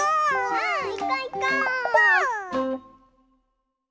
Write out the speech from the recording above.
うんいこういこう！ぽぅ！